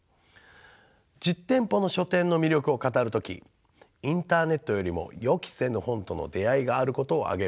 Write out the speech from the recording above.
実店舗の書店の魅力を語る時インターネットよりも予期せぬ本との出会いがあることを挙げる